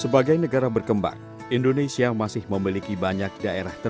sebagai negara berkembang indonesia masih memiliki banyak daerah terbaik